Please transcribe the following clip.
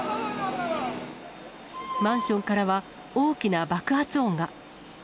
マンションからは、大きな爆発音が。